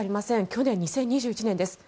去年、２０２１年です。